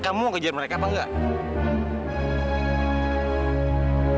kamu mau kejar mereka apa enggak